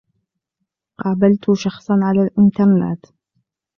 قابلتُ شخصًا على الإنترنت.